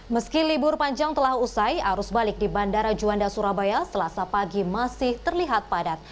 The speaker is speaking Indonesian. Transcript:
meski libur panjang telah usai arus balik di bandara juanda surabaya selasa pagi masih terlihat padat